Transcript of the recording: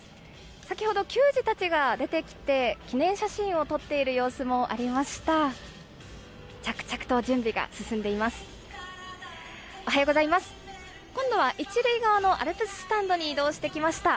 先ほど、球児たちが出てきて、記念写真を撮っている様子もありました。